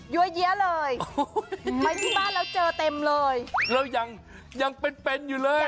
เยอะแยะเลยไปที่บ้านแล้วเจอเต็มเลยแล้วยังยังเป็นเป็นอยู่เลย